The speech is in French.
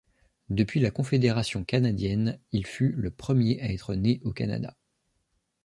Depuis la confédération canadienne, il fut le premier à être né au Canada.